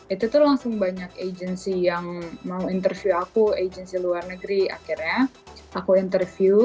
itu tuh langsung banyak agency yang mau interview aku agency luar negeri akhirnya aku interview